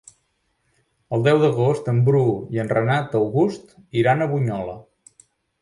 El deu d'agost en Bru i en Renat August iran a Bunyola.